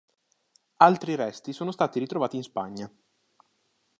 Altri resti sono stati ritrovati in Spagna.